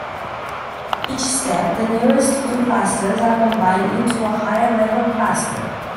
At each step, the nearest two clusters are combined into a higher-level cluster.